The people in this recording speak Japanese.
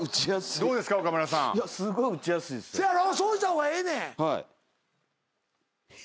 そうした方がええねん。